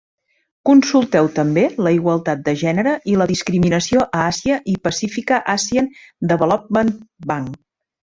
Consulteu també la igualtat de gènere i la discriminació a Àsia i Pacifica Asian Development Bank.